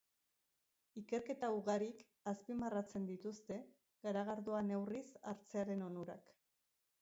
Ikerketa ugarik azpimarratzen dituzte garagardoa neurriz hartzearen onurak.